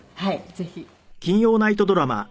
ぜひ。